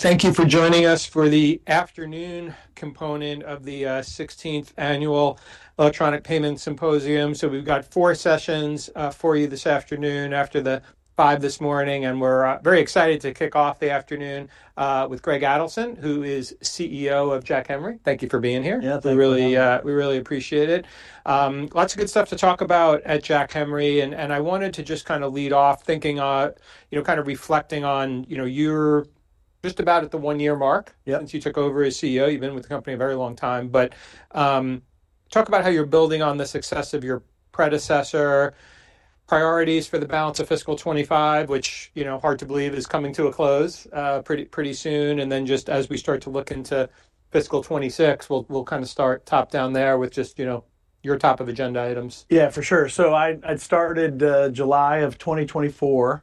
Thank you for joining us for the afternoon component of the 16th Annual Electronic Payments Symposium. We have four sessions for you this afternoon after the five this morning, and we are very excited to kick off the afternoon with Greg Adelson, who is CEO of Jack Henry. Thank you for being here. Yeah, thank you. We really appreciate it. Lots of good stuff to talk about at Jack Henry, and I wanted to just kind of lead off thinking, kind of reflecting on your just about at the one-year mark since you took over as CEO. You've been with the company a very long time, but talk about how you're building on the success of your predecessor, priorities for the balance of fiscal 2025, which, hard to believe, is coming to a close pretty soon. Then just as we start to look into fiscal 2026, we'll kind of start top down there with just your top of agenda items. Yeah, for sure. I started July of 2024,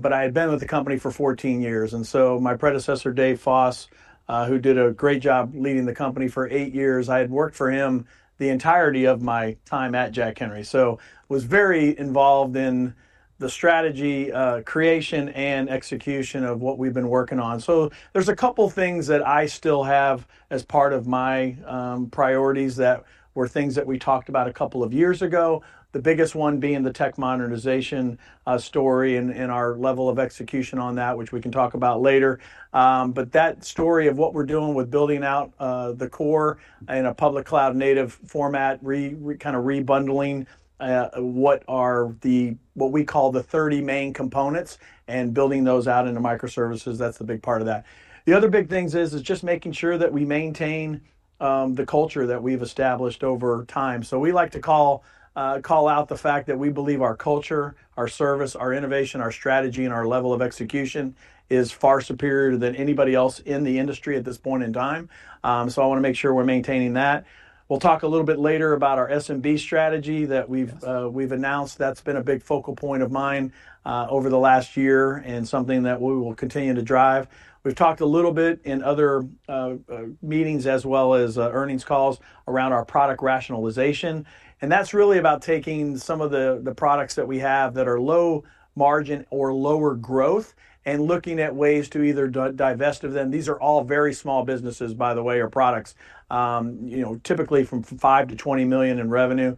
but I had been with the company for 14 years. My predecessor, Dave Foss, who did a great job leading the company for eight years, I had worked for him the entirety of my time at Jack Henry. I was very involved in the strategy creation and execution of what we've been working on. There are a couple of things that I still have as part of my priorities that were things that we talked about a couple of years ago, the biggest one being the tech modernization story and our level of execution on that, which we can talk about later. That story of what we're doing with building out the core in a public cloud native format, kind of rebundling what we call the 30 main components and building those out into microservices, that's the big part of that. The other big things is just making sure that we maintain the culture that we've established over time. We like to call out the fact that we believe our culture, our service, our innovation, our strategy, and our level of execution is far superior to anybody else in the industry at this point in time. I want to make sure we're maintaining that. We'll talk a little bit later about our SMB strategy that we've announced. That's been a big focal point of mine over the last year and something that we will continue to drive. We've talked a little bit in other meetings as well as earnings calls around our product rationalization. That's really about taking some of the products that we have that are low margin or lower growth and looking at ways to either divest of them. These are all very small businesses, by the way, or products, typically from $5 million-$20 million in revenue.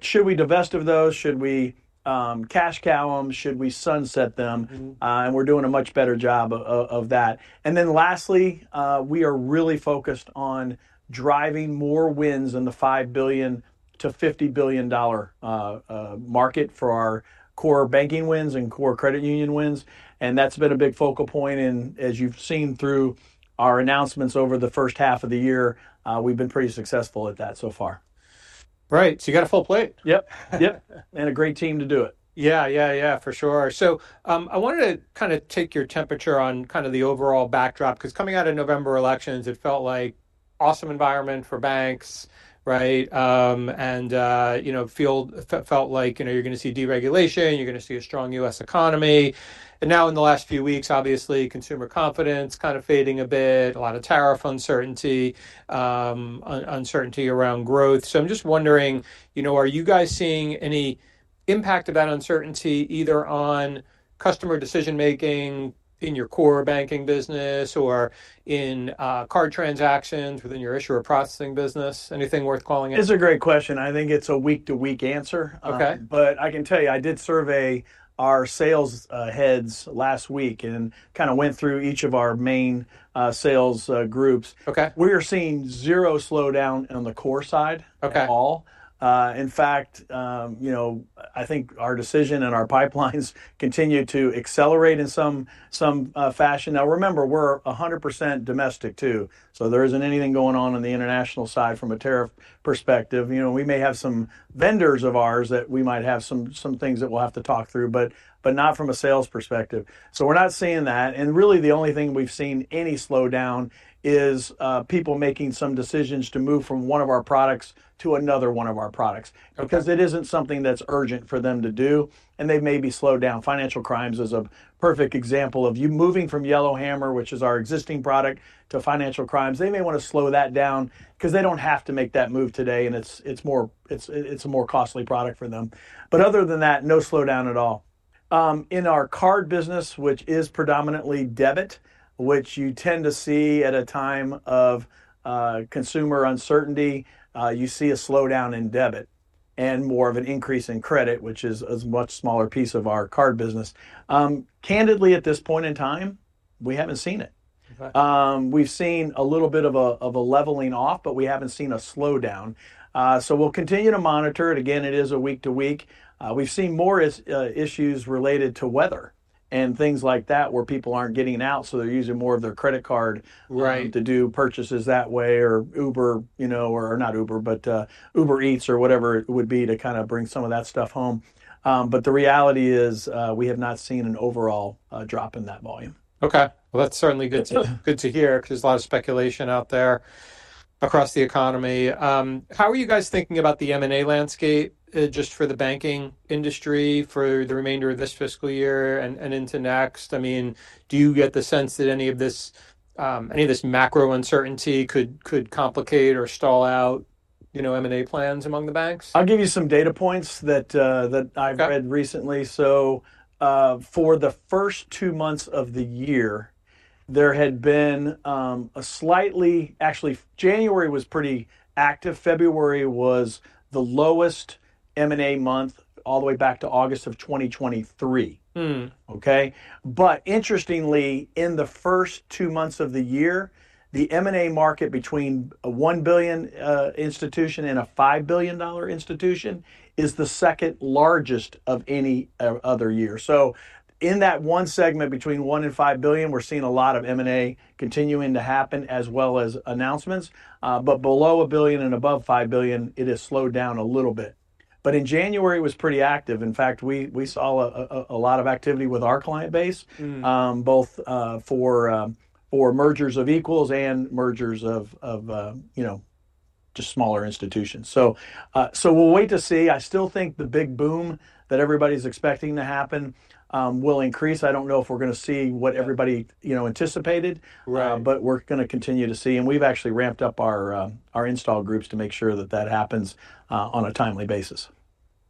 Should we divest of those? Should we cash cow them? Should we sunset them? We're doing a much better job of that. Lastly, we are really focused on driving more wins in the $5 billion-$50 billion market for our core banking wins and core credit union wins. That's been a big focal point. As you've seen through our announcements over the first half of the year, we've been pretty successful at that so far. Right. So you got a full plate. Yep. Yep. A great team to do it. Yeah, for sure. I wanted to kind of take your temperature on kind of the overall backdrop because coming out of November elections, it felt like an awesome environment for banks, right? It felt like you're going to see deregulation, you're going to see a strong U.S. economy. Now in the last few weeks, obviously, consumer confidence kind of fading a bit, a lot of tariff uncertainty, uncertainty around growth. I'm just wondering, are you guys seeing any impact of that uncertainty either on customer decision-making in your core banking business or in card transactions within your issuer processing business? Anything worth calling out? It's a great question. I think it's a week-to-week answer. I can tell you, I did survey our sales heads last week and kind of went through each of our main sales groups. We are seeing zero slowdown on the core side at all. In fact, I think our decision and our pipelines continue to accelerate in some fashion. Now, remember, we're 100% domestic too. There isn't anything going on on the international side from a tariff perspective. We may have some vendors of ours that we might have some things that we'll have to talk through, but not from a sales perspective. We're not seeing that. Really, the only thing we've seen any slowdown is people making some decisions to move from one of our products to another one of our products because it isn't something that's urgent for them to do. They may be slowed down. Financial crimes is a perfect example of you moving from Yellowhammer, which is our existing product, to Financial Crimes Defender. They may want to slow that down because they do not have to make that move today, and it is a more costly product for them. Other than that, no slowdown at all. In our card business, which is predominantly debit, which you tend to see at a time of consumer uncertainty, you see a slowdown in debit and more of an increase in credit, which is a much smaller piece of our card business. Candidly, at this point in time, we have not seen it. We have seen a little bit of a leveling off, but we have not seen a slowdown. We will continue to monitor it. Again, it is a week-to-week. We've seen more issues related to weather and things like that where people aren't getting out, so they're using more of their credit card to do purchases that way or Uber Eats or whatever it would be to kind of bring some of that stuff home. The reality is we have not seen an overall drop in that volume. Okay. That's certainly good to hear because there's a lot of speculation out there across the economy. How are you guys thinking about the M&A landscape just for the banking industry for the remainder of this fiscal year and into next? I mean, do you get the sense that any of this macro uncertainty could complicate or stall out M&A plans among the banks? I'll give you some data points that I've read recently. For the first two months of the year, there had been a slightly, actually, January was pretty active. February was the lowest M&A month all the way back to August of 2023. Okay? Interestingly, in the first two months of the year, the M&A market between a $1 billion institution and a $5 billion institution is the second largest of any other year. In that one segment between $1 billion and $5 billion, we're seeing a lot of M&A continuing to happen as well as announcements. Below $1 billion and above $5 billion, it has slowed down a little bit. In January, it was pretty active. In fact, we saw a lot of activity with our client base, both for mergers of equals and mergers of just smaller institutions. We'll wait to see. I still think the big boom that everybody's expecting to happen will increase. I don't know if we're going to see what everybody anticipated, but we're going to continue to see. We've actually ramped up our install groups to make sure that that happens on a timely basis.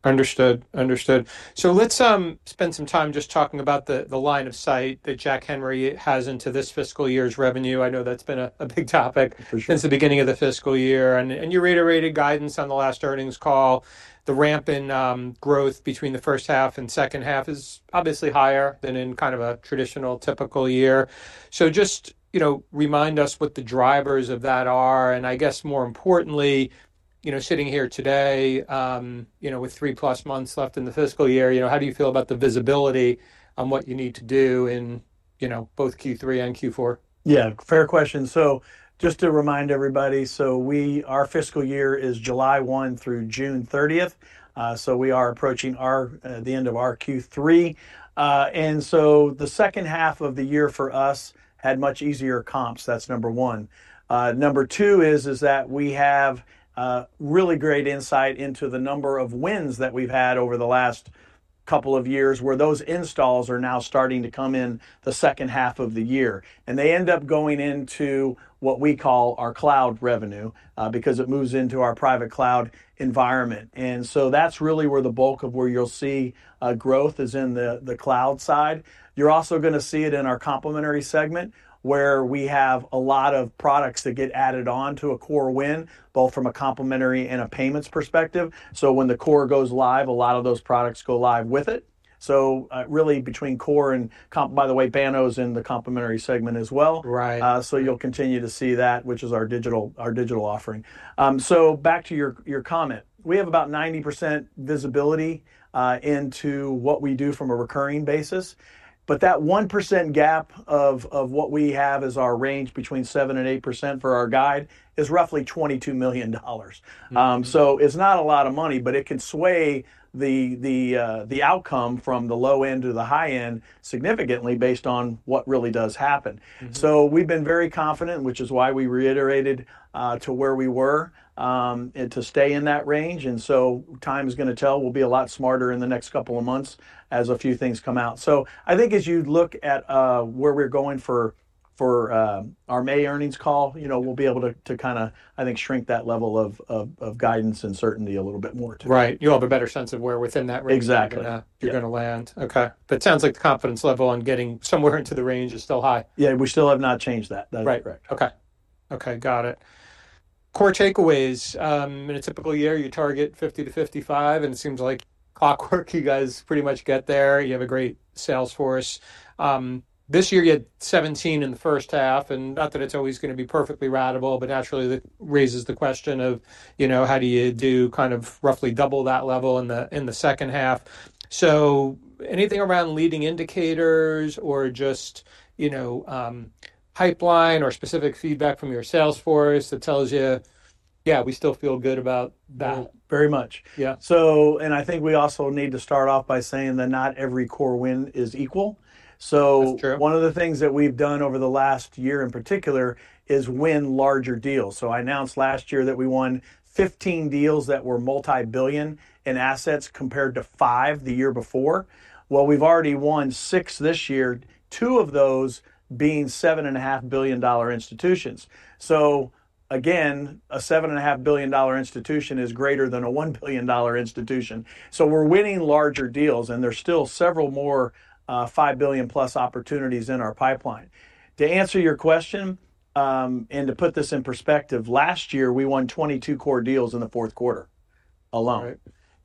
Understood. Let's spend some time just talking about the line of sight that Jack Henry has into this fiscal year's revenue. I know that's been a big topic since the beginning of the fiscal year. You reiterated guidance on the last earnings call. The ramp in growth between the first half and second half is obviously higher than in kind of a traditional typical year. Just remind us what the drivers of that are. I guess more importantly, sitting here today with three-plus months left in the fiscal year, how do you feel about the visibility on what you need to do in both Q3 and Q4? Yeah, fair question. Just to remind everybody, our fiscal year is July 1 through June 30. We are approaching the end of our Q3. The second half of the year for us had much easier comps. That's number one. Number two is that we have really great insight into the number of wins that we've had over the last couple of years where those installs are now starting to come in the second half of the year. They end up going into what we call our cloud revenue because it moves into our private cloud environment. That's really where the bulk of where you'll see growth is in the cloud side. You're also going to see it in our complementary segment where we have a lot of products that get added on to a core win, both from a complementary and a payments perspective. When the core goes live, a lot of those products go live with it. Really between core and, by the way, Banno is in the complementary segment as well. You'll continue to see that, which is our digital offering. Back to your comment, we have about 90% visibility into what we do from a recurring basis. That 1% gap of what we have as our range between 7%-8% for our guide is roughly $22 million. It's not a lot of money, but it can sway the outcome from the low end to the high end significantly based on what really does happen. We have been very confident, which is why we reiterated to where we were and to stay in that range. Time is going to tell. We will be a lot smarter in the next couple of months as a few things come out. I think as you look at where we are going for our May earnings call, we will be able to kind of, I think, shrink that level of guidance and certainty a little bit more today. Right. You'll have a better sense of where within that range you're going to land. Exactly. You're going to land. Okay. It sounds like the confidence level on getting somewhere into the range is still high. Yeah, we still have not changed that. That's correct. Okay. Got it. Core takeaways. In a typical year, you target 50-55, and it seems like clockwork, you guys pretty much get there. You have a great sales force. This year, you had 17 in the first half, and not that it's always going to be perfectly ratable, but naturally, that raises the question of how do you do kind of roughly double that level in the second half. Anything around leading indicators or just pipeline or specific feedback from your sales force that tells you, "Yeah, we still feel good about that. Very much. Yeah. I think we also need to start off by saying that not every core win is equal. One of the things that we have done over the last year in particular is win larger deals. I announced last year that we won 15 deals that were multi-billion in assets compared to five the year before. We have already won six this year, two of those being $7.5 billion institutions. A $7.5 billion institution is greater than a $1 billion institution. We are winning larger deals, and there are still several more $5 billion plus opportunities in our pipeline. To answer your question and to put this in perspective, last year, we won 22 core deals in the fourth quarter alone.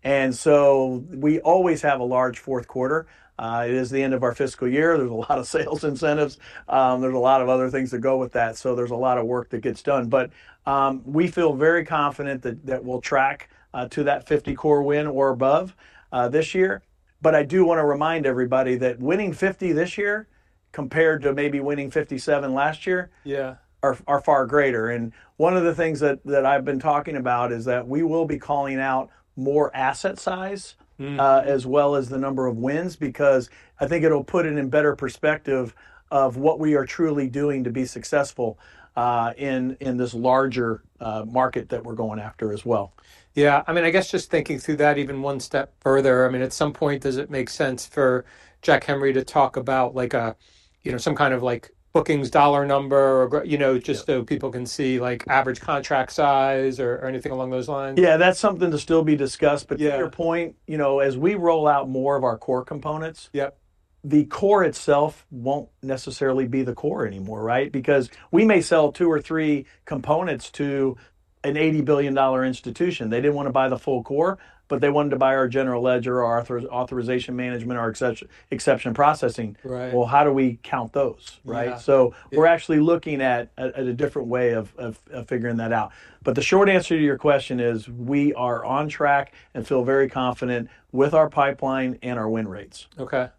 We always have a large fourth quarter. It is the end of our fiscal year. There are a lot of sales incentives. There is a lot of other things that go with that. There is a lot of work that gets done. We feel very confident that we will track to that 50-core win or above this year. I do want to remind everybody that winning 50 this year compared to maybe winning 57 last year are far greater. One of the things that I have been talking about is that we will be calling out more asset size as well as the number of wins because I think it will put it in better perspective of what we are truly doing to be successful in this larger market that we are going after as well. Yeah. I mean, I guess just thinking through that even one step further, I mean, at some point, does it make sense for Jack Henry to talk about some kind of bookings dollar number just so people can see average contract size or anything along those lines? Yeah, that's something to still be discussed. To your point, as we roll out more of our core components, the core itself won't necessarily be the core anymore, right? Because we may sell two or three components to an $80 billion institution. They didn't want to buy the full core, but they wanted to buy our general ledger, our authorization management, our exception processing. How do we count those, right? We are actually looking at a different way of figuring that out. The short answer to your question is we are on track and feel very confident with our pipeline and our win rates. Okay.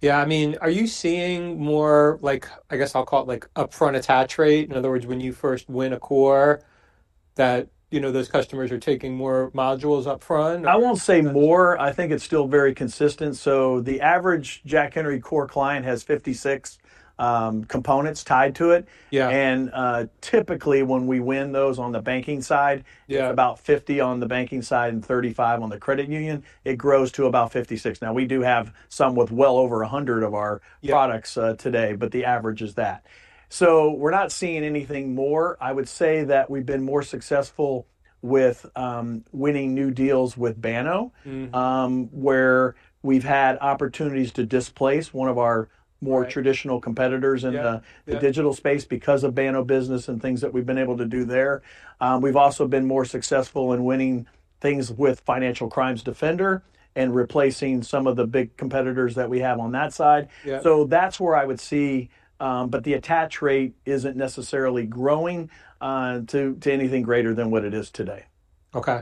Yeah. I mean, are you seeing more, I guess I'll call it upfront attach rate? In other words, when you first win a core, that those customers are taking more modules upfront? I will not say more. I think it is still very consistent. The average Jack Henry core client has 56 components tied to it. Typically, when we win those on the banking side, about 50 on the banking side and 35 on the credit union, it grows to about 56. We do have some with well over 100 of our products today, but the average is that. We are not seeing anything more. I would say that we have been more successful with winning new deals with Banno, where we have had opportunities to displace one of our more traditional competitors in the digital space because of Banno Business and things that we have been able to do there. We have also been more successful in winning things with Financial Crimes Defender and replacing some of the big competitors that we have on that side. That's where I would see, but the attach rate isn't necessarily growing to anything greater than what it is today. Okay.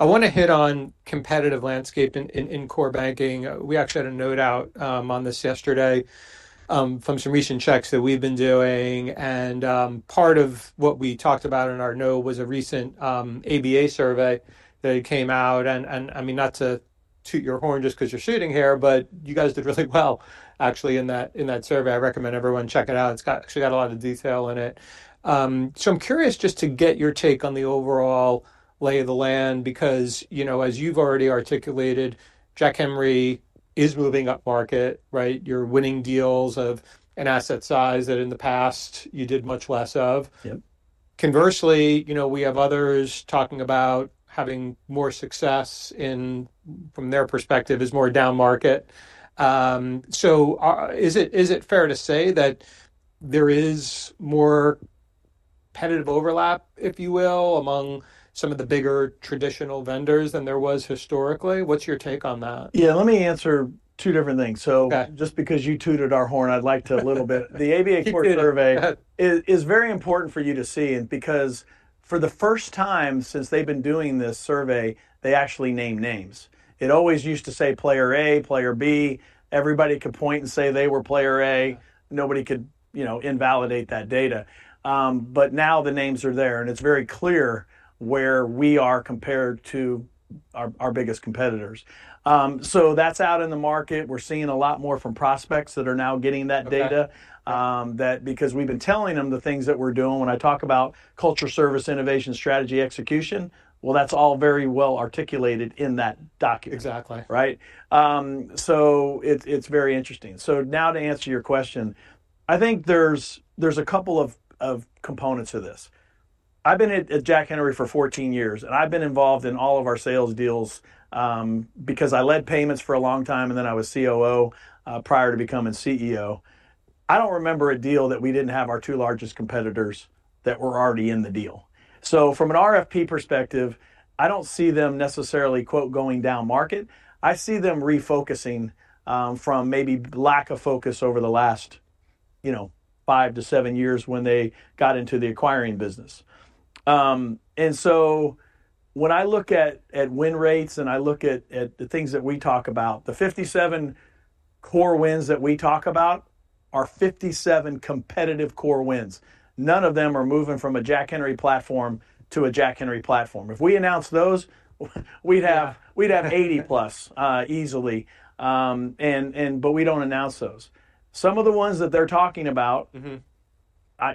I want to hit on competitive landscape in core banking. We actually had a note out on this yesterday from some recent checks that we've been doing. Part of what we talked about in our note was a recent ABA survey that came out. I mean, not to toot your horn just because you're sitting here, but you guys did really well, actually, in that survey. I recommend everyone check it out. It's actually got a lot of detail in it. I'm curious just to get your take on the overall lay of the land because as you've already articulated, Jack Henry is moving up market, right? You're winning deals of an asset size that in the past you did much less of. Conversely, we have others talking about having more success from their perspective is more down market. Is it fair to say that there is more competitive overlap, if you will, among some of the bigger traditional vendors than there was historically? What's your take on that? Yeah, let me answer two different things. Just because you tooted our horn, I'd like to a little bit. The ABA core survey is very important for you to see because for the first time since they've been doing this survey, they actually name names. It always used to say player A, player B. Everybody could point and say they were player A. Nobody could invalidate that data. Now the names are there, and it's very clear where we are compared to our biggest competitors. That's out in the market. We're seeing a lot more from prospects that are now getting that data because we've been telling them the things that we're doing. When I talk about culture, service, innovation, strategy, execution, that's all very well articulated in that document. Exactly. Right? It is very interesting. Now, to answer your question, I think there are a couple of components to this. I have been at Jack Henry for 14 years, and I have been involved in all of our sales deals because I led payments for a long time, and then I was COO prior to becoming CEO. I do not remember a deal that we did not have our two largest competitors that were already in the deal. From an RFP perspective, I do not see them necessarily, quote, going down market. I see them refocusing from maybe lack of focus over the last five to seven years when they got into the acquiring business. When I look at win rates and I look at the things that we talk about, the 57 core wins that we talk about are 57 competitive core wins. None of them are moving from a Jack Henry platform to a Jack Henry platform. If we announced those, we'd have 80+ easily, but we don't announce those. Some of the ones that they're talking about,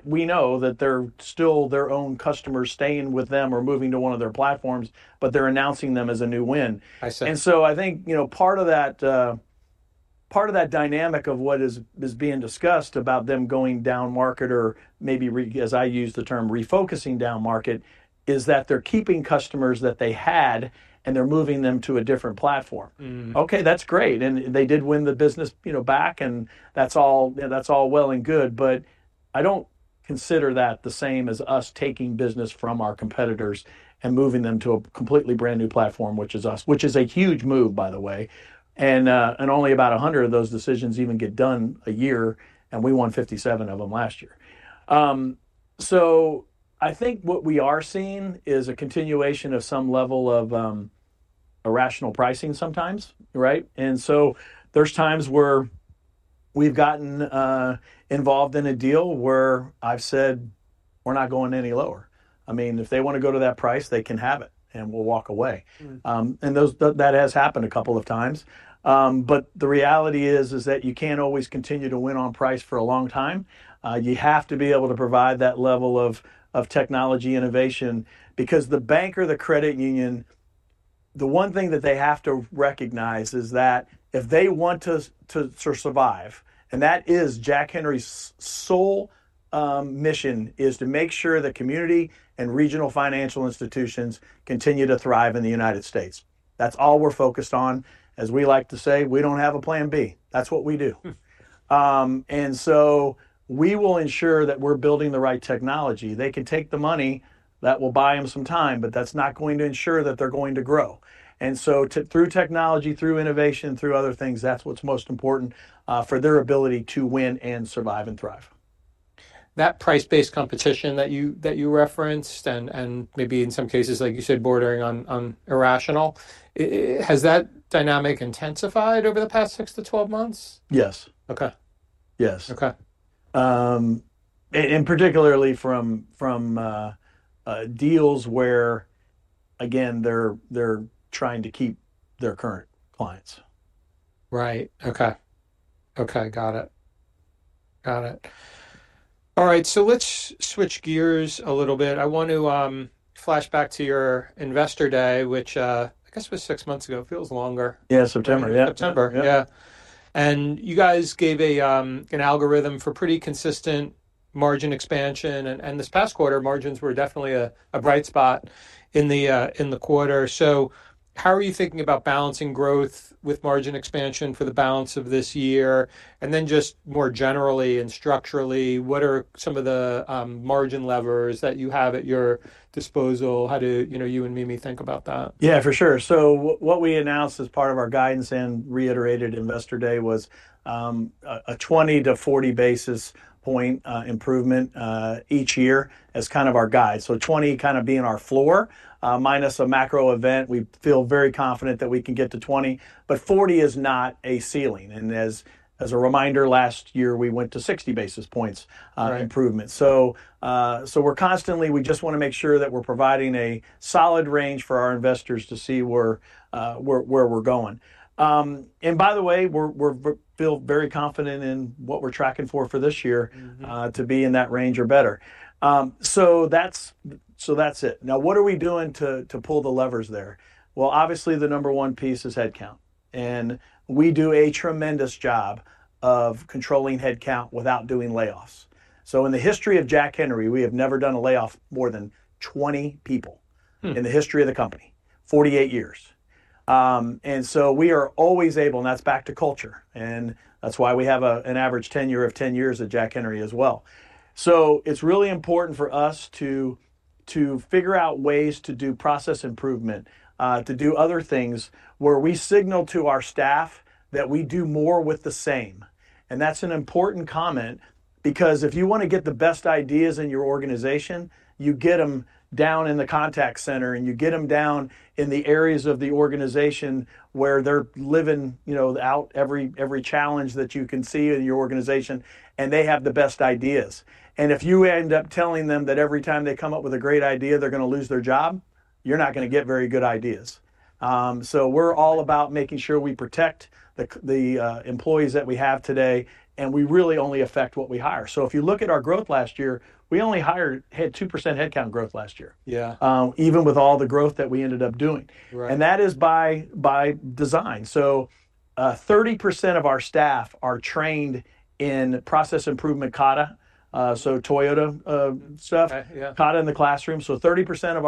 we know that they're still their own customers staying with them or moving to one of their platforms, but they're announcing them as a new win. I think part of that dynamic of what is being discussed about them going down market or maybe, as I use the term, refocusing down market, is that they're keeping customers that they had, and they're moving them to a different platform. Okay, that's great. They did win the business back, and that's all well and good. I don't consider that the same as us taking business from our competitors and moving them to a completely brand new platform, which is us, which is a huge move, by the way. Only about 100 of those decisions even get done a year, and we won 57 of them last year. I think what we are seeing is a continuation of some level of irrational pricing sometimes, right? There are times where we've gotten involved in a deal where I've said, "We're not going any lower." I mean, if they want to go to that price, they can have it, and we'll walk away. That has happened a couple of times. The reality is that you can't always continue to win on price for a long time. You have to be able to provide that level of technology innovation because the bank or the credit union, the one thing that they have to recognize is that if they want to survive, and that is Jack Henry's sole mission, is to make sure the community and regional financial institutions continue to thrive in the United States. That is all we're focused on. As we like to say, we do not have a plan B. That is what we do. We will ensure that we are building the right technology. They can take the money that will buy them some time, but that is not going to ensure that they are going to grow. Through technology, through innovation, through other things, that is what is most important for their ability to win and survive and thrive. That price-based competition that you referenced and maybe in some cases, like you said, bordering on irrational, has that dynamic intensified over the past 6 months-12 months? Yes. Particularly from deals where, again, they're trying to keep their current clients. Right. Okay. Got it. All right. Let's switch gears a little bit. I want to flash back to your investor day, which I guess was six months ago. It feels longer. Yeah, September. Yeah. September. Yeah. You guys gave an algorithm for pretty consistent margin expansion. This past quarter, margins were definitely a bright spot in the quarter. How are you thinking about balancing growth with margin expansion for the balance of this year? Just more generally and structurally, what are some of the margin levers that you have at your disposal? How do you and Mimi think about that? Yeah, for sure. What we announced as part of our guidance and reiterated investor day was a 20-40 basis point improvement each year as kind of our guide. Twenty kind of being our floor, minus a macro event, we feel very confident that we can get to 20. Forty is not a ceiling. As a reminder, last year, we went to 60 basis points improvement. We just want to make sure that we're providing a solid range for our investors to see where we're going. By the way, we feel very confident in what we're tracking for this year to be in that range or better. That's it. Now, what are we doing to pull the levers there? Obviously, the number one piece is headcount. We do a tremendous job of controlling headcount without doing layoffs. In the history of Jack Henry, we have never done a layoff more than 20 people in the history of the company, 48 years. We are always able, and that's back to culture. That's why we have an average tenure of 10 years at Jack Henry as well. It is really important for us to figure out ways to do process improvement, to do other things where we signal to our staff that we do more with the same. That is an important comment because if you want to get the best ideas in your organization, you get them down in the contact center, and you get them down in the areas of the organization where they're living out every challenge that you can see in your organization, and they have the best ideas. If you end up telling them that every time they come up with a great idea, they're going to lose their job, you're not going to get very good ideas. We're all about making sure we protect the employees that we have today, and we really only affect what we hire. If you look at our growth last year, we only had 2% headcount growth last year, even with all the growth that we ended up doing. That is by design. Thirty percent of our staff are trained in process improvement, Kata, so Toyota stuff, Kata in the Classroom. Thirty percent of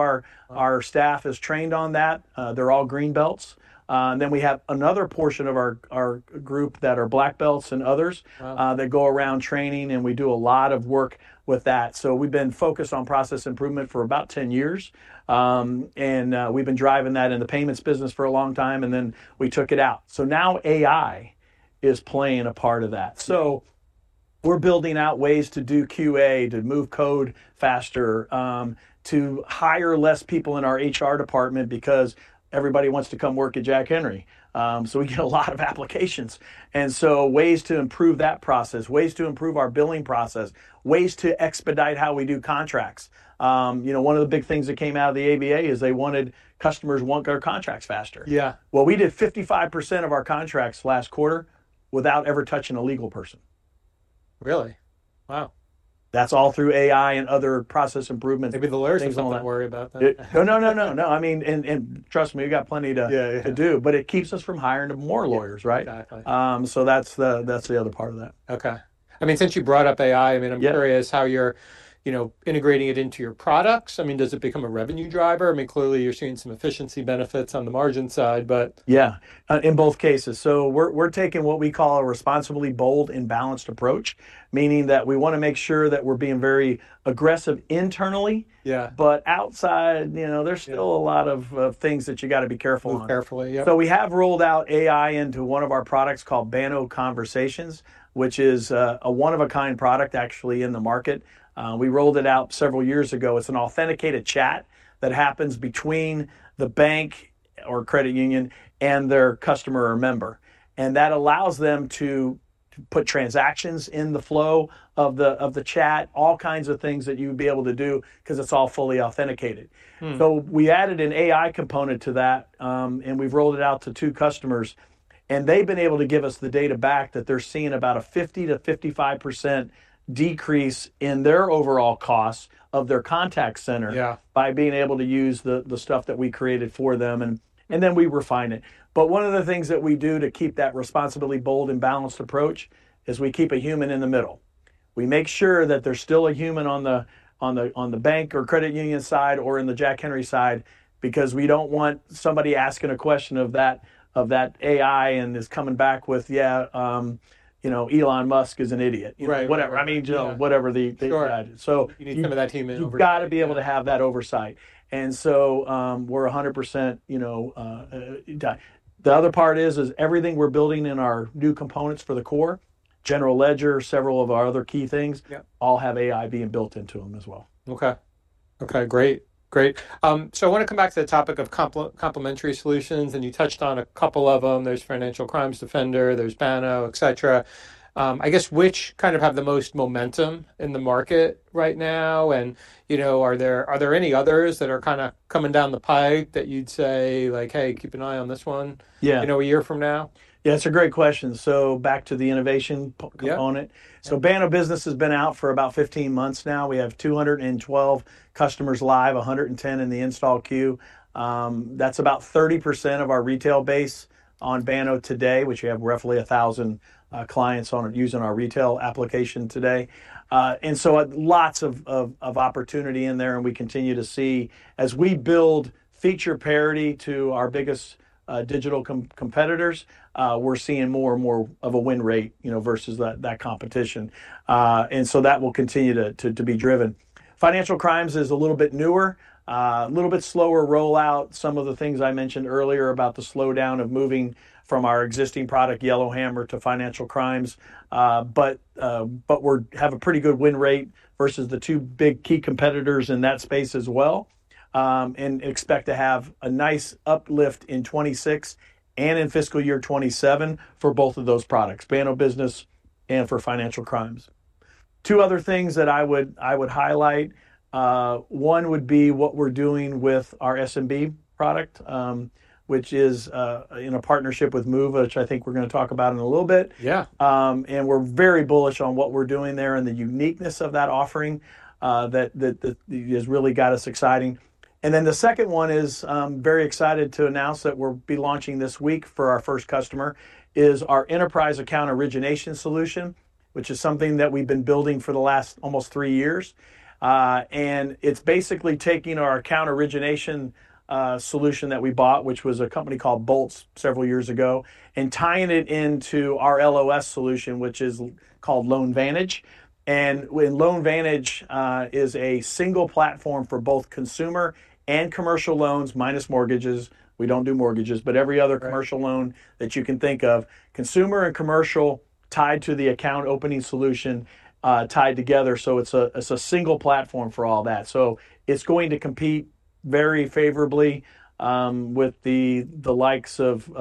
our staff is trained on that. They're all green belts. We have another portion of our group that are black belts and others that go around training, and we do a lot of work with that. We have been focused on process improvement for about 10 years. We have been driving that in the payments business for a long time, and then we took it out. Now AI is playing a part of that. We are building out ways to do QA, to move code faster, to hire less people in our HR department because everybody wants to come work at Jack Henry. We get a lot of applications. Ways to improve that process, ways to improve our billing process, ways to expedite how we do contracts. One of the big things that came out of the ABA is they wanted customers to work on contracts faster. Yeah. We did 55% of our contracts last quarter without ever touching a legal person. Really? Wow. That's all through AI and other process improvements. Maybe the lawyers don't have to worry about that. No, I mean, and trust me, we've got plenty to do, but it keeps us from hiring more lawyers, right? So that's the other part of that. Okay. I mean, since you brought up AI, I mean, I'm curious how you're integrating it into your products. I mean, does it become a revenue driver? I mean, clearly, you're seeing some efficiency benefits on the margin side, but. Yeah, in both cases. We're taking what we call a responsibly bold and balanced approach, meaning that we want to make sure that we're being very aggressive internally, but outside, there's still a lot of things that you got to be careful on. Be careful, yeah. We have rolled out AI into one of our products called Banno Conversations, which is a one-of-a-kind product, actually, in the market. We rolled it out several years ago. It's an authenticated chat that happens between the bank or credit union and their customer or member. That allows them to put transactions in the flow of the chat, all kinds of things that you'd be able to do because it's all fully authenticated. We added an AI component to that, and we've rolled it out to two customers. They've been able to give us the data back that they're seeing about a 50%-55% decrease in their overall cost of their contact center by being able to use the stuff that we created for them. Then we refine it. One of the things that we do to keep that responsibly bold and balanced approach is we keep a human in the middle. We make sure that there's still a human on the bank or credit union side or in the Jack Henry side because we don't want somebody asking a question of that AI and it is coming back with, "Yeah, Elon Musk is an idiot," whatever. I mean, whatever the. You need some of that team in over. You have got to be able to have that oversight. We are 100%. The other part is everything we are building in our new components for the core, general ledger, several of our other key things, all have AI being built into them as well. Okay. Great. I want to come back to the topic of complimentary solutions. You touched on a couple of them. There is Financial Crimes Defender, there is Banno, etc. I guess which kind of have the most momentum in the market right now? Are there any others that are kind of coming down the pike that you would say, like, "Hey, keep an eye on this one a year from now? Yeah, that's a great question. Back to the innovation component. Banno Business has been out for about 15 months now. We have 212 customers live, 110 in the install queue. That's about 30% of our retail base on Banno today, which we have roughly 1,000 clients using our retail application today. Lots of opportunity in there. We continue to see as we build feature parity to our biggest digital competitors, we're seeing more and more of a win rate versus that competition. That will continue to be driven. Financial Crimes is a little bit newer, a little bit slower rollout, some of the things I mentioned earlier about the slowdown of moving from our existing product, Yellowhammer, to Financial Crimes. We have a pretty good win rate versus the two big key competitors in that space as well and expect to have a nice uplift in 2026 and in fiscal year 2027 for both of those products, Banno Business and for Financial Crimes. Two other things that I would highlight. One would be what we're doing with our SMB product, which is in a partnership with Moov, which I think we're going to talk about in a little bit. We're very bullish on what we're doing there and the uniqueness of that offering that has really got us excited. The second one is very excited to announce that we'll be launching this week for our first customer is our Enterprise Account Origination solution, which is something that we've been building for the last almost three years. It is basically taking our account origination solution that we bought, which was a company called BOLTS several years ago, and tying it into our LOS solution, which is called LoanVantage. LoanVantage is a single platform for both consumer and commercial loans, minus mortgages. We do not do mortgages, but every other commercial loan that you can think of, consumer and commercial tied to the account opening solution tied together. It is a single platform for all that. It is going to compete very favorably with the likes of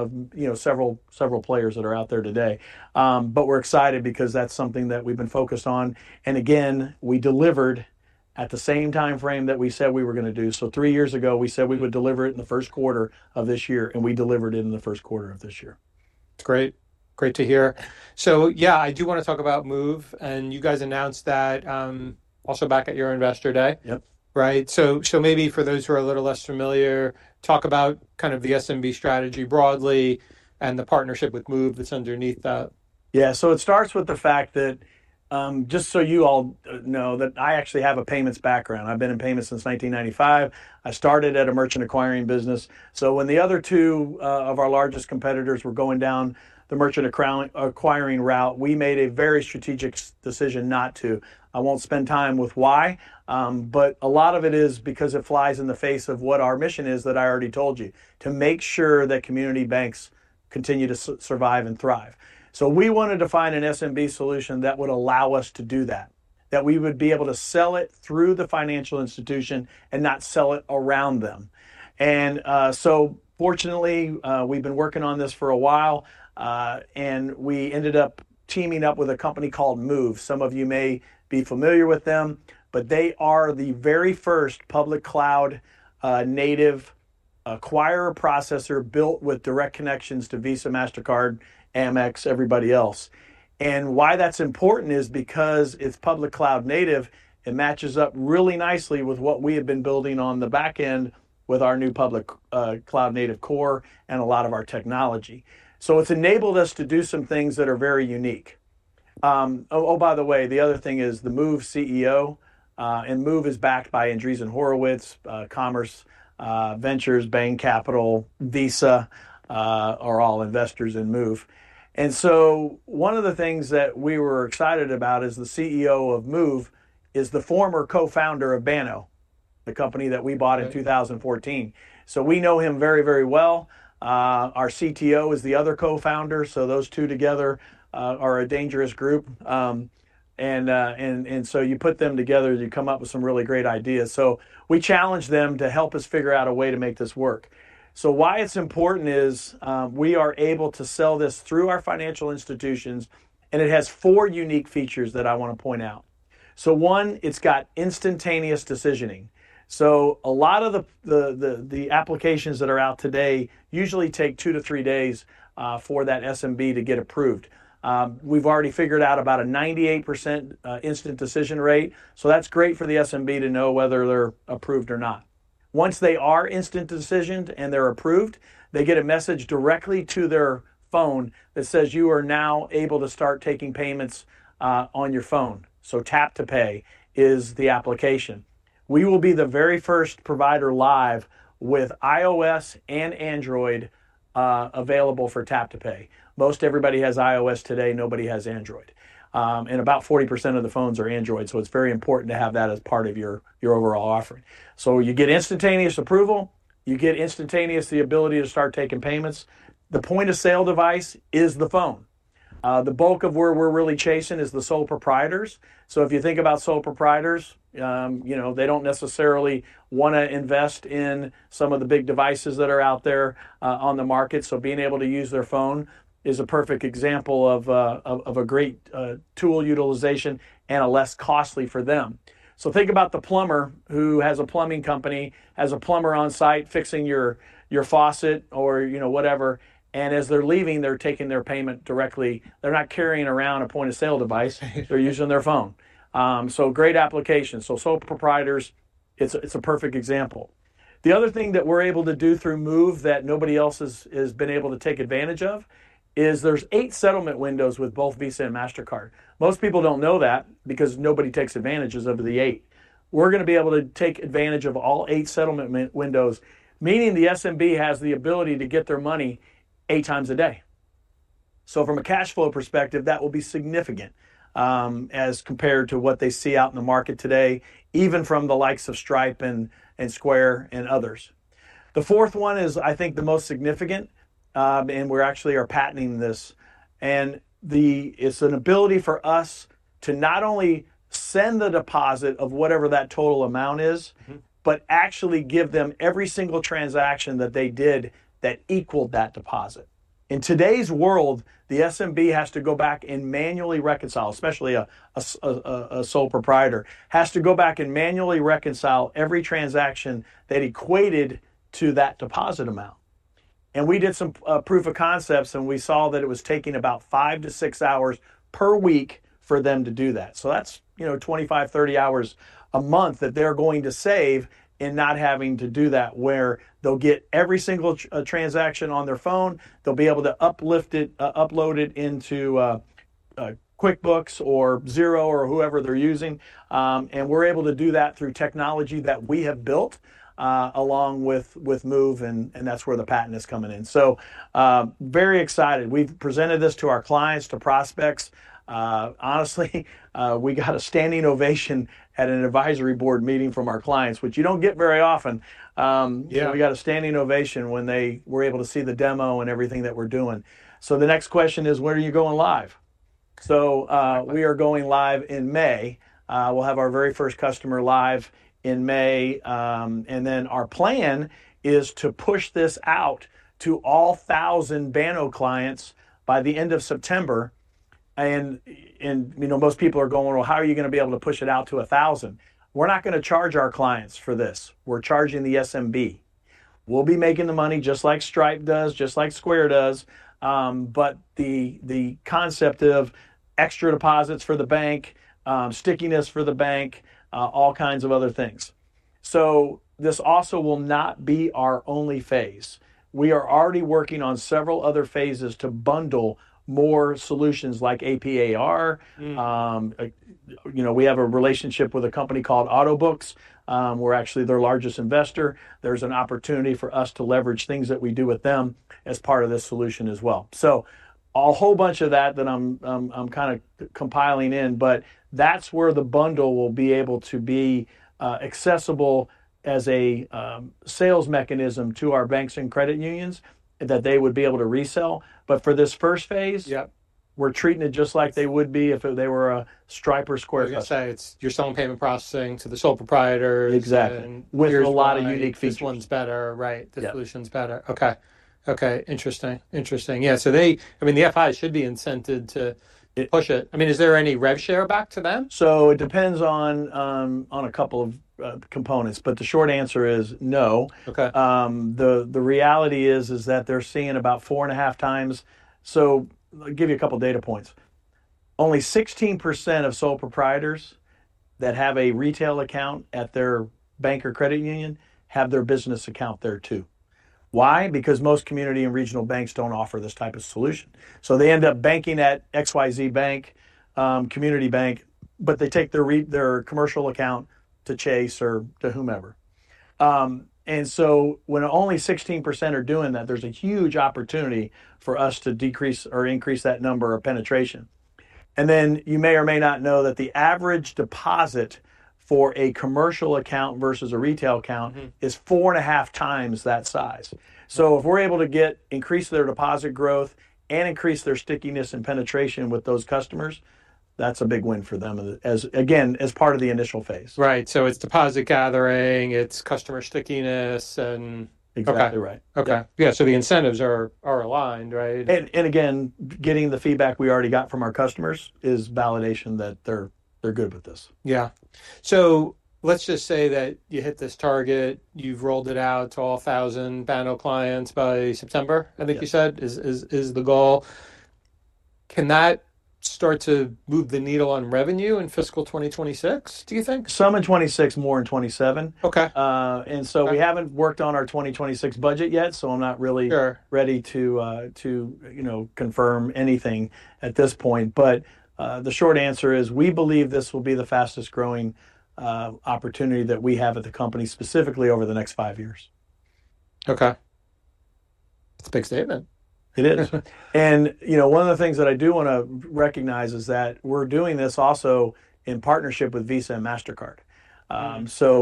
several players that are out there today. We are excited because that is something that we have been focused on. Again, we delivered at the same timeframe that we said we were going to do. Three years ago, we said we would deliver it in the first quarter of this year, and we delivered it in the first quarter of this year. That's great. Great to hear. Yeah, I do want to talk about Moov. You guys announced that also back at your investor day, right? Maybe for those who are a little less familiar, talk about kind of the SMB strategy broadly and the partnership with Moov that's underneath that. Yeah. It starts with the fact that just so you all know that I actually have a payments background. I've been in payments since 1995. I started at a merchant acquiring business. When the other two of our largest competitors were going down the merchant acquiring route, we made a very strategic decision not to. I won't spend time with why, but a lot of it is because it flies in the face of what our mission is that I already told you, to make sure that community banks continue to survive and thrive. We wanted to find an SMB solution that would allow us to do that, that we would be able to sell it through the financial institution and not sell it around them. Fortunately, we've been working on this for a while, and we ended up teaming up with a company called Moov. Some of you may be familiar with them, but they are the very first public cloud native acquirer processor built with direct connections to Visa, Mastercard, Amex, everybody else. Why that's important is because it's public cloud native. It matches up really nicely with what we have been building on the back end with our new public cloud native core and a lot of our technology. It's enabled us to do some things that are very unique. Oh, by the way, the other thing is the Moov CEO, and Moov is backed by Andreessen Horowitz, Commerce Ventures, Bain Capital, Visa are all investors in Moov. One of the things that we were excited about is the CEO of Moov is the former co-founder of Banno, the company that we bought in 2014. We know him very, very well. Our CTO is the other co-founder. Those two together are a dangerous group. You put them together; you come up with some really great ideas. We challenged them to help us figure out a way to make this work. Why it's important is we are able to sell this through our financial institutions, and it has four unique features that I want to point out. One, it's got instantaneous decisioning. A lot of the applications that are out today usually take two to three days for that SMB to get approved. We've already figured out about a 98% instant decision rate. That is great for the SMB to know whether they're approved or not. Once they are instant decisioned and they're approved, they get a message directly to their phone that says, "You are now able to start taking payments on your phone." Tap to Pay is the application. We will be the very first provider live with iOS and Android available for Tap to Pay. Most everybody has iOS today. Nobody has Android. About 40% of the phones are Android. It is very important to have that as part of your overall offering. You get instantaneous approval. You get instantaneous ability to start taking payments. The point-of-sale device is the phone. The bulk of where we're really chasing is the sole proprietors. If you think about sole proprietors, they do not necessarily want to invest in some of the big devices that are out there on the market. Being able to use their phone is a perfect example of a great tool utilization and less costly for them. Think about the plumber who has a plumbing company, has a plumber on site fixing your faucet or whatever. As they are leaving, they are taking their payment directly. They are not carrying around a point-of-sale device. They are using their phone. Great application. Sole proprietors, it is a perfect example. The other thing that we are able to do through Moov that nobody else has been able to take advantage of is there are eight settlement windows with both Visa and Mastercard. Most people do not know that because nobody takes advantage of the eight. We're going to be able to take advantage of all eight settlement windows, meaning the SMB has the ability to get their money eight times a day. From a cash flow perspective, that will be significant as compared to what they see out in the market today, even from the likes of Stripe and Square and others. The fourth one is, I think, the most significant, and we're actually patenting this. It's an ability for us to not only send the deposit of whatever that total amount is, but actually give them every single transaction that they did that equaled that deposit. In today's world, the SMB has to go back and manually reconcile, especially a sole proprietor has to go back and manually reconcile every transaction that equated to that deposit amount. We did some proof of concepts, and we saw that it was taking about five to six hours per week for them to do that. That is 25 hours-30 hours a month that they are going to save in not having to do that, where they will get every single transaction on their phone. They will be able to upload it into QuickBooks or Xero or whoever they are using. We are able to do that through technology that we have built along with Moov, and that is where the patent is coming in. Very excited. We have presented this to our clients, to prospects. Honestly, we got a standing ovation at an advisory board meeting from our clients, which you do not get very often. We got a standing ovation when they were able to see the demo and everything that we are doing. The next question is, where are you going live? We are going live in May. We'll have our very first customer live in May. Our plan is to push this out to all 1,000 Banno clients by the end of September. Most people are going, "Well, how are you going to be able to push it out to 1,000?" We're not going to charge our clients for this. We're charging the SMB. We'll be making the money just like Stripe does, just like Square does. The concept of extra deposits for the bank, stickiness for the bank, all kinds of other things. This also will not be our only phase. We are already working on several other phases to bundle more solutions like AP/AR. We have a relationship with a company called Autobooks. We're actually their largest investor. There is an opportunity for us to leverage things that we do with them as part of this solution as well. A whole bunch of that I am kind of compiling in, but that is where the bundle will be able to be accessible as a sales mechanism to our banks and credit unions that they would be able to resell. For this first phase, we are treating it just like they would be if they were a Stripe or Square. You're going to say you're selling payment processing to the sole proprietors. Exactly. With a lot of unique features. This one's better, right? The solution's better. Okay. Interesting. I mean, the FI should be incented to push it. I mean, is there any rev share back to them? It depends on a couple of components. The short answer is no. The reality is that they're seeing about four and a half times. I'll give you a couple of data points. Only 16% of sole proprietors that have a retail account at their bank or credit union have their business account there too. Why? Because most community and regional banks don't offer this type of solution. They end up banking at XYZ Bank, Community Bank, but they take their commercial account to Chase or to whomever. When only 16% are doing that, there's a huge opportunity for us to decrease or increase that number of penetration. You may or may not know that the average deposit for a commercial account versus a retail account is four and a half times that size. If we're able to increase their deposit growth and increase their stickiness and penetration with those customers, that's a big win for them, again, as part of the initial phase. Right. It is deposit gathering, it is customer stickiness. Exactly right. Okay. Yeah. The incentives are aligned, right? Again, getting the feedback we already got from our customers is validation that they're good with this. Yeah. Let's just say that you hit this target, you've rolled it out to all 1,000 Banno clients by September, I think you said is the goal. Can that start to move the needle on revenue in fiscal 2026, do you think? Some in 2026, more in 2027. We have not worked on our 2026 budget yet, so I am not really ready to confirm anything at this point. The short answer is we believe this will be the fastest growing opportunity that we have at the company specifically over the next five years. Okay. That's a big statement. It is. One of the things that I do want to recognize is that we're doing this also in partnership with Visa and Mastercard.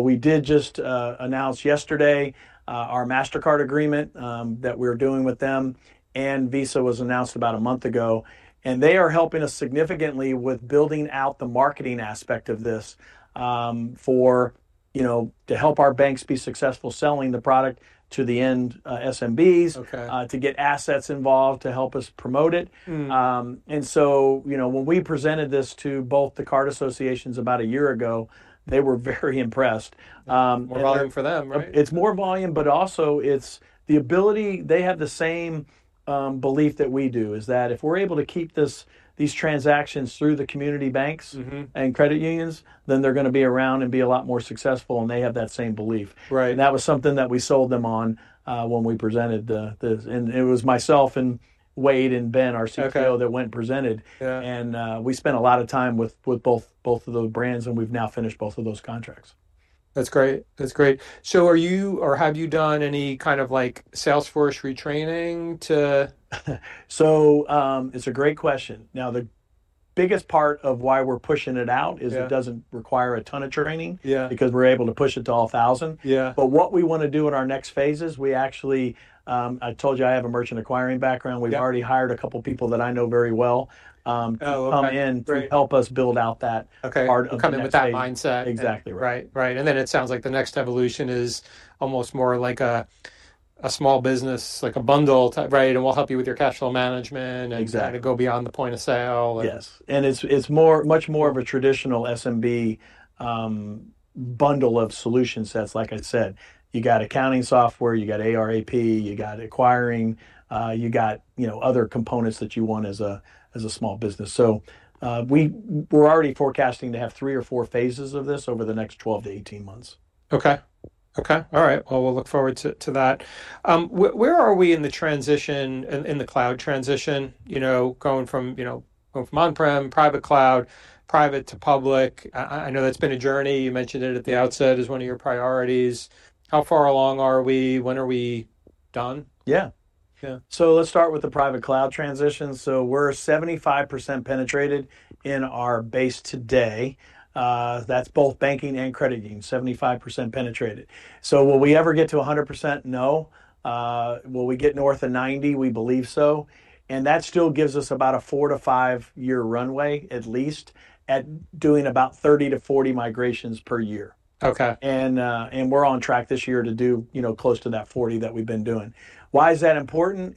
We did just announce yesterday our Mastercard agreement that we're doing with them. Visa was announced about a month ago. They are helping us significantly with building out the marketing aspect of this to help our banks be successful selling the product to the end SMBs, to get assets involved to help us promote it. When we presented this to both the card associations about a year ago, they were very impressed. More volume for them, right? It's more volume, but also it's the ability. They have the same belief that we do, that if we're able to keep these transactions through the community banks and credit unions, then they're going to be around and be a lot more successful, and they have that same belief. That was something that we sold them on when we presented this. It was myself and Wade and Ben, our CTO, that went and presented. We spent a lot of time with both of those brands, and we've now finished both of those contracts. That's great. Have you done any kind of Salesforce retraining too? It's a great question. Now, the biggest part of why we're pushing it out is it doesn't require a ton of training because we're able to push it to all 1,000. What we want to do in our next phase is we actually, I told you I have a merchant acquiring background. We've already hired a couple of people that I know very well to come in to help us build out that part of the pipeline. Come in with that mindset. Exactly right. Right. It sounds like the next evolution is almost more like a small business, like a bundle, right? We will help you with your cash flow management and kind of go beyond the point of sale. Yes. It's much more of a traditional SMB bundle of solution sets, like I said. You got accounting software, you got AR/AP, you got acquiring, you got other components that you want as a small business. We're already forecasting to have three or four phases of this over the next 12 months-18 months. Okay. All right. We'll look forward to that. Where are we in the cloud transition, going from on-prem, private cloud, private to public? I know that's been a journey. You mentioned it at the outset as one of your priorities. How far along are we? When are we done? Yeah. Let's start with the private cloud transition. We're 75% penetrated in our base today. That's both banking and credit unions, 75% penetrated. Will we ever get to 100%? No. Will we get north of 90%? We believe so. That still gives us about a four- to five-year runway, at least, at doing about 30-40 migrations per year. We're on track this year to do close to that 40 that we've been doing. Why is that important?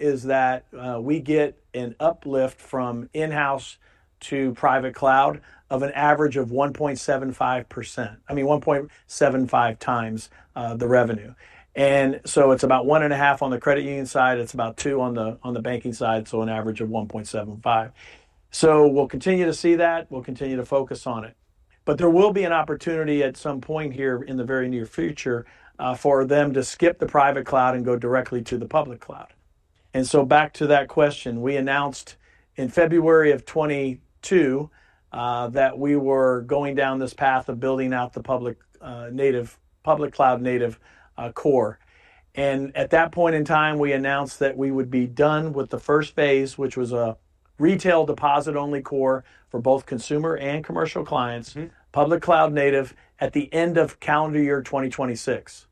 We get an uplift from in-house to private cloud of an average of 1.75 times the revenue. It's about one and a half on the credit union side. It's about two on the banking side. So an average of 1.75. We'll continue to see that. We'll continue to focus on it. There will be an opportunity at some point here in the very near future for them to skip the private cloud and go directly to the public cloud. Back to that question, we announced in February of 2022 that we were going down this path of building out the public cloud-native core. At that point in time, we announced that we would be done with the first phase, which was a retail deposit-only core for both consumer and commercial clients, public cloud-native at the end of calendar year 2026.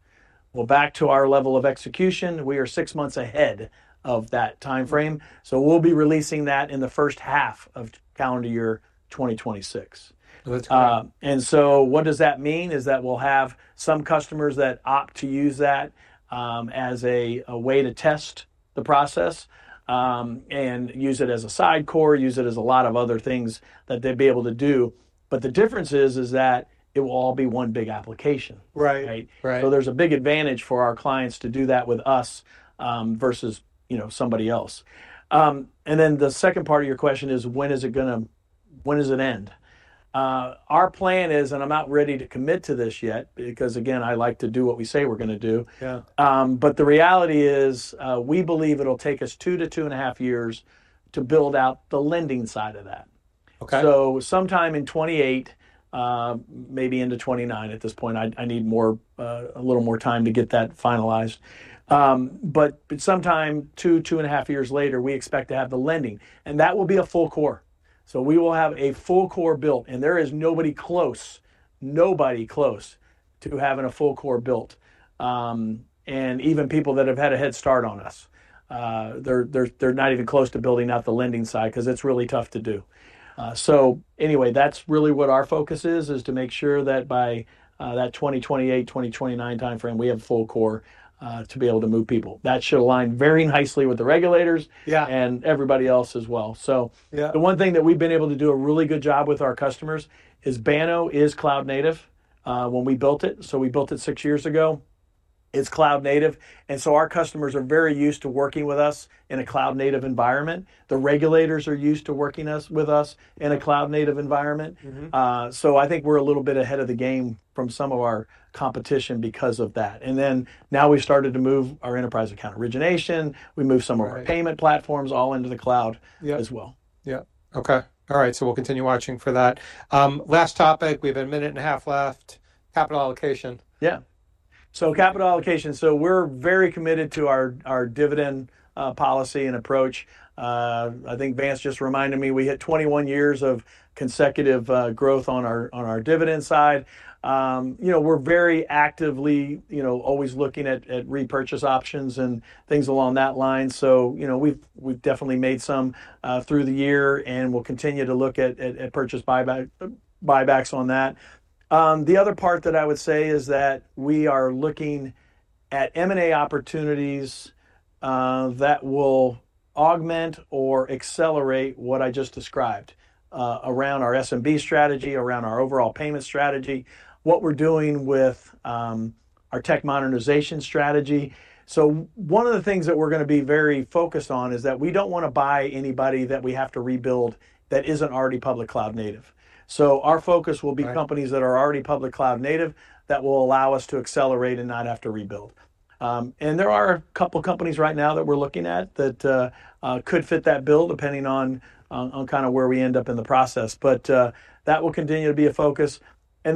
Back to our level of execution, we are six months ahead of that timeframe. We will be releasing that in the first half of calendar year 2026. What does that mean? Is that we'll have some customers that opt to use that as a way to test the process and use it as a side core, use it as a lot of other things that they'd be able to do. The difference is that it will all be one big application. There is a big advantage for our clients to do that with us versus somebody else. The second part of your question is, when is it going to end? Our plan is, and I'm not ready to commit to this yet because, again, I like to do what we say we're going to do. The reality is we believe it'll take us two to two and a half years to build out the lending side of that. Sometime in 2028, maybe into 2029 at this point, I need a little more time to get that finalized. Sometime two, two and a half years later, we expect to have the lending. That will be a full core. We will have a full core built. There is nobody close to having a full core built. Even people that have had a head start on us, they're not even close to building out the lending side because it's really tough to do. Anyway, that's really what our focus is, to make sure that by that 2028-2029 timeframe, we have a full core to be able to move people. That should align very nicely with the regulators and everybody else as well. The one thing that we've been able to do a really good job with our customers is Banno is cloud-native when we built it. We built it six years ago. It's cloud-native. Our customers are very used to working with us in a cloud-native environment. The regulators are used to working with us in a cloud-native environment. I think we're a little bit ahead of the game from some of our competition because of that. Now we've started to move our enterprise account origination. We moved some of our payment platforms all into the cloud as well. Yeah. Okay. All right. We'll continue watching for that. Last topic. We have a minute and a half left. Capital allocation. Yeah. So, capital allocation. We are very committed to our dividend policy and approach. I think Vance Sherard just reminded me we hit 21 years of consecutive growth on our dividend side. We are very actively always looking at repurchase options and things along that line. We have definitely made some through the year, and we will continue to look at purchase buybacks on that. The other part that I would say is that we are looking at M&A opportunities that will augment or accelerate what I just described around our SMB strategy, around our overall payment strategy, what we are doing with our tech modernization strategy. One of the things that we are going to be very focused on is that we do not want to buy anybody that we have to rebuild that is not already public cloud-native. Our focus will be companies that are already public cloud-native that will allow us to accelerate and not have to rebuild. There are a couple of companies right now that we're looking at that could fit that bill depending on kind of where we end up in the process. That will continue to be a focus. I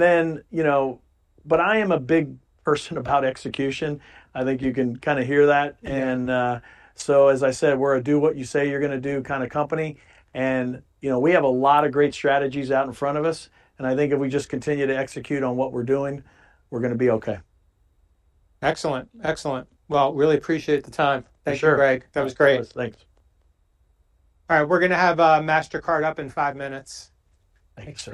am a big person about execution. I think you can kind of hear that. As I said, we're a do-what-you-say-you're-going-to-do kind of company. We have a lot of great strategies out in front of us. I think if we just continue to execute on what we're doing, we're going to be okay. Excellent. I really appreciate the time. Thank you, Greg. That was great. Thanks. All right. We're going to have Mastercard up in five minutes. Thanks.